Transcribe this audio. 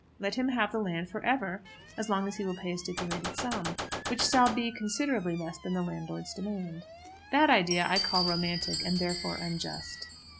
Let him have the land for ever as long as he will pay a stipulated sum, which shall be considerably less than the landlord's demand. That idea I call romantic, and therefore unjust.